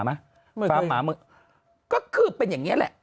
เมื่อไกลฟาร์มหมาเมื่อก็คือเป็นอย่างนี้แหละ